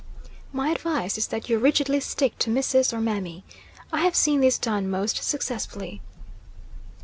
My advice is that you rigidly stick to missus or mammy. I have seen this done most successfully.